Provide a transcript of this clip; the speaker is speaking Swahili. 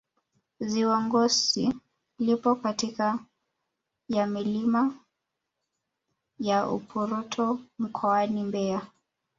ziwa ngosi lipo katika ya milima ya uporoto mkoani mbeya